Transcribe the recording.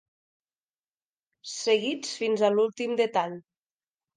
Seguits fins a l'últim detall.